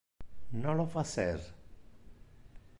Non lo facer.